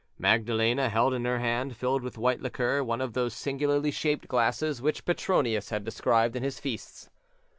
Magdalene held in her hand, filled with white liquor, one of those singularly shaped glasses which Petronius has described in his feasts.